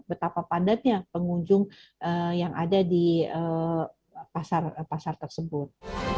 betapa pandatnya pengunjung yang ada di pasar tersebut